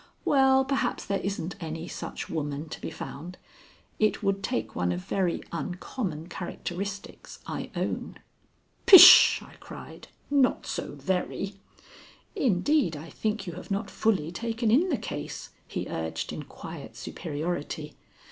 "Well, perhaps there isn't any such woman to be found. It would take one of very uncommon characteristics, I own." "Pish!" I cried. "Not so very!" "Indeed, I think you have not fully taken in the case," he urged in quiet superiority.